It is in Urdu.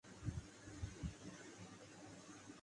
ہوربارٹ ٹیسٹ میں ویسٹ انڈیز مشکلات کا شکار